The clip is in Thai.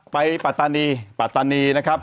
ปัตตานีปัตตานีนะครับ